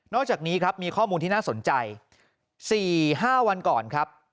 อกจากนี้ครับมีข้อมูลที่น่าสนใจ๔๕วันก่อนครับ